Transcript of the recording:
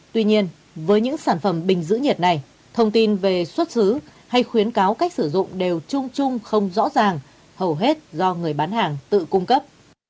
tuy nhiên với những sản phẩm bình giữ nhiệt này thông tin về xuất xứ hay khuyến cáo cách sử dụng đều chung chung không rõ ràng hầu hết do người bán hàng tự cung cấp